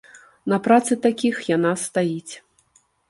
На працы такіх яна стаіць.